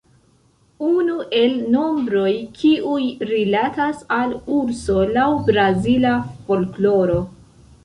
Unu el nombroj kiuj rilatas al urso laŭ brazila folkloro.